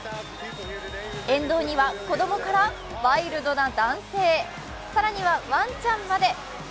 沿道には子供からワイルドな男性更にはワンちゃんまで。